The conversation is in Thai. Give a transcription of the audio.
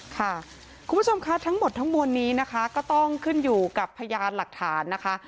คุณผู้ชมค่ะทั้งหมดทั้งมวลนี้นะคะก็ต้องขึ้นอยู่กับพยานหลักฐานนะคะ